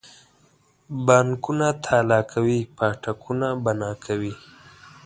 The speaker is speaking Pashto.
بانکونه تالا کوي پاټکونه بنا کوي.